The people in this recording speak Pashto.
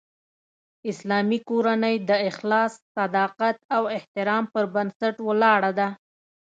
اسلامي کورنۍ د اخلاص، صداقت او احترام پر بنسټ ولاړه ده